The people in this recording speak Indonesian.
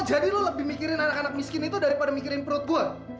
lo lebih mikirin anak anak miskin itu daripada mikirin perut gue